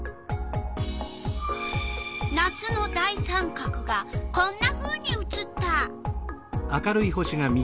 夏の大三角がこんなふうに写った！